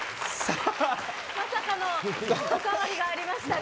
まさかのおかわりがありましたが。